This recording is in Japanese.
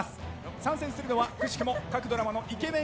参戦するのはくしくも各ドラマのイケメン